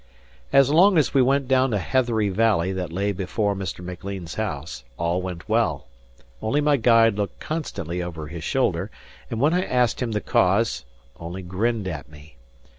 As long as we went down a heathery valley that lay before Mr. Maclean's house, all went well; only my guide looked constantly over his shoulder, and when I asked him the cause, only grinned at me.